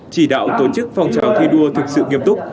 chỉ đạo tổ chức phong trào thi đua thực sự nghiêm túc